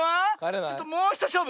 ちょっともうひとしょうぶ！